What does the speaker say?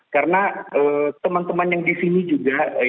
karena teman teman yang di sini juga